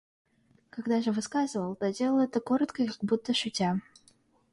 Когда же высказывал, то делал это коротко и как будто шутя.